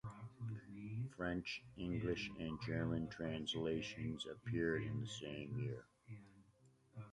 French, English and German translations appeared in the same year.